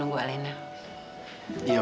aku mau menerima kenyataan bahwa taufan udah meninggal